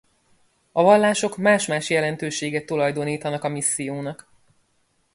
A vallások más-más jelentőséget tulajdonítanak a missziónak.